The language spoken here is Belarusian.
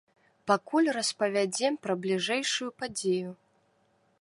Пакуль распавядзем пра бліжэйшую падзею.